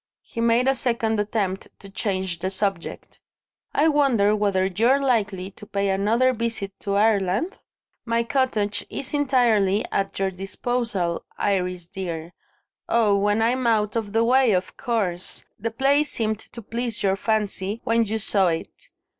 He made a second attempt to change the subject. "I wonder whether you're likely to pay another visit to Ireland? My cottage is entirely at your disposal, Iris dear. Oh, when I'm out of the way, of course! The place seemed to please your fancy, when you saw it.